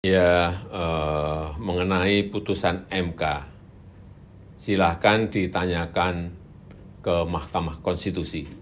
ya mengenai putusan mk silahkan ditanyakan ke mahkamah konstitusi